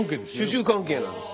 主従関係なんですよ。